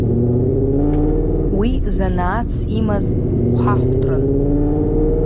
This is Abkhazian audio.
Уи занааҭс имаз хәҳахәҭран.